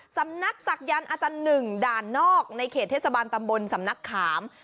สำนักศักยันต์อาจารย์หนึ่งด่านนอกในเขตเทศบาลตำบลสำนักขาม